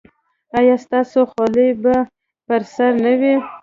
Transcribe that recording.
ایا ستاسو خولۍ به پر سر نه وي؟